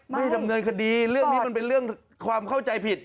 ไม่ดำเนินคดีเรื่องนี้มันเป็นเรื่องความเข้าใจผิด